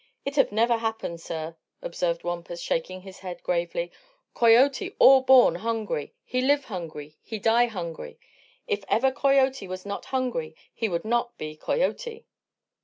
"It have never happen, sir," observed Wampus, shaking his head gravely. "Coyote all born hungry; he live hungry; he die hungry. If ever coyote was not hungry he would not be coyote."